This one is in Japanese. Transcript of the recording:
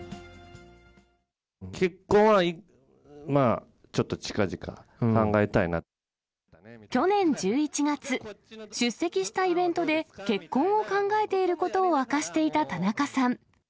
結婚は、去年１１月、出席したイベントで結婚を考えていることを明かしていた田中さん。